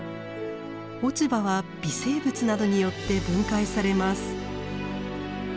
落ち葉は微生物などによって分解されます。